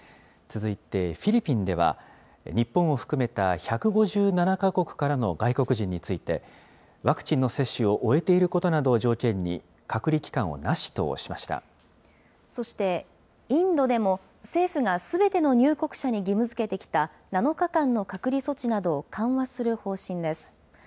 続いて、フィリピンでは、日本を含めた１５７か国からの外国人について、ワクチンの接種を終えていることなどを条件に、隔離期間をなしとそして、インドでも、政府がすべての入国者に義務づけてきた７日間の隔離措置などを緩和する方針です。